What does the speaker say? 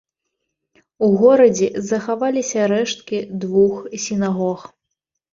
У горадзе захаваліся рэшткі двух сінагог.